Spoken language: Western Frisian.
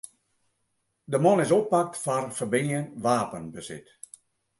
De man is oppakt foar ferbean wapenbesit.